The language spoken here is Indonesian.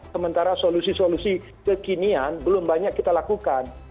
sementara solusi solusi kekinian belum banyak kita lakukan